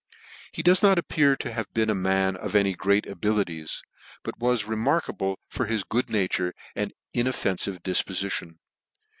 He does not appear to have been a man of any great abilities ; but was re markable for his good nature and inoffenfive dif pofition.